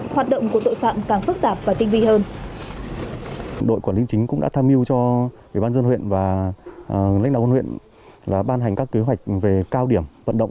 hoạt động của tội phạm càng phức tạp và tinh vi hơn